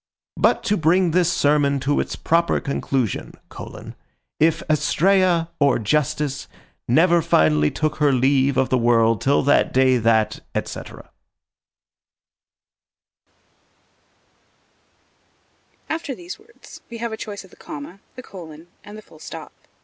But to bring this sermon to its proper conclusion: If Astrea, or Justice, never finally took her leave of the world till the day that, &c. After these words, we have a choice of the comma, the colon, and the full stop.